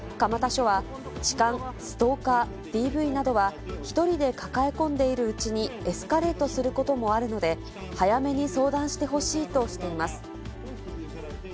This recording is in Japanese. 署は痴漢、ストーカー、ＤＶなどは、１人で抱え込んでいるうちにエスカレートすることもあるので、早めに相談してほしいとしています。